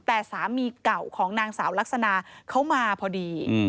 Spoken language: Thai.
แต่สามีเก่าของนางสาวลักษณะเขามาพอดี